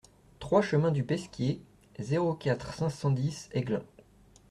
trois chemin du Pesquier, zéro quatre, cinq cent dix Aiglun